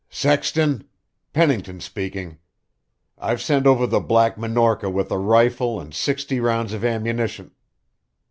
"Sexton? Pennington speaking. I've sent over the Black Minorca with a rifle and sixty rounds of ammunition...